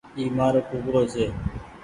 اي مآرو ڪوڪڙو ڇي۔